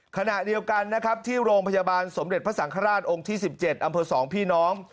ขณะเดียวกันนะครับที่โรงพยาบาลสมเด็จพระสังฆราชองค์ที่๑๗อำเภอ๒พี่น้อง